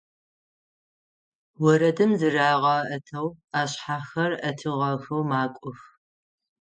Орэдым зырагъэӀэтэу, ашъхьэхэр Ӏэтыгъэхэу макӀох.